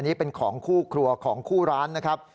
นี่เป็นของคู่ครัวของคู่ร้านนะครับ